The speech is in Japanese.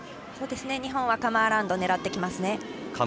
日本はカムアラウンドを狙ってきますね。